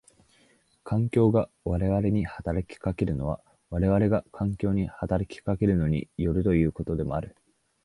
環境が我々に働きかけるのは我々が環境に働きかけるのに依るということもできる。